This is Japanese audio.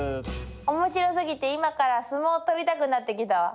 面白すぎて今から相撲を取りたくなってきたわ。